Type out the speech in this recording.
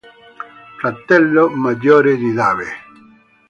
Fratello maggiore di Dave.